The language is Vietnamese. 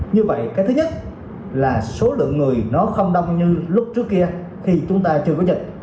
như vậy cái thứ nhất là số lượng người nó không đông như lúc trước kia khi chúng ta chưa có dịch